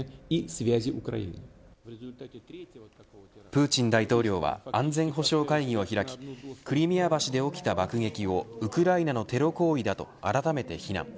プーチン大統領は安全保障会議を開きクリミア橋で起きた爆撃をウクライナのテロ行為だとあらためて非難。